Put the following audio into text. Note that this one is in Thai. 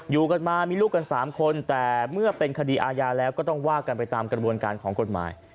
อยู่กันมามีลูกกัน๓คนแต่เมื่อเป็นคดีอาญาแล้วก็ต้องว่ากันไปตามกระบวนการของกฎหมาย